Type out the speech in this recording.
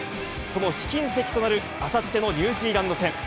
その試金石となるあさってのニュージーランド戦。